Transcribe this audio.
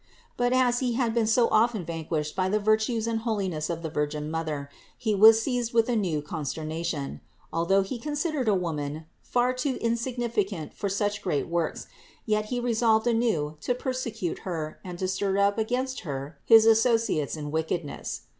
But as he had been so often vanquished by the virtues and holiness of the Virgin Mother, he was seized with new consternation ; although he considered a woman far too insignificant for such great works, yet he resolved anew to persecute Her and to stir up against Her his associates in wickedness.